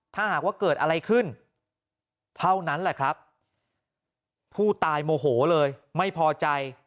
ถ้าหากว่าเกิดอะไรขึ้นเท่านั้นแหละครับผู้ตายโมโหเลยไม่พอใจ